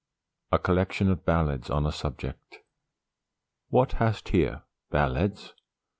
A COLLECTION OF BALLADS ON A SUBJECT. "What hast here, ballads?